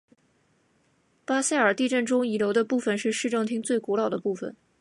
巴塞尔地震中遗留的部分是市政厅最古老的部分。